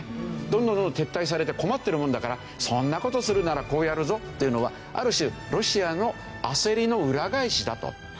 どんどんどんどん撤退されて困ってるもんだからそんな事をするならこうやるぞというのはある種ロシアの焦りの裏返しだと。